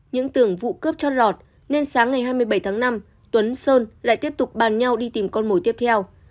những tưởng vụ cướp cho lọt nên sáng ngày hai mươi bảy tháng năm tuấn sơn lại tiếp tục bàn nhau đi tìm con mồi tiếp theo